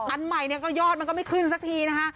อันใหม่ยอดมันก็ไม่ขึ้นซักทีนะคะ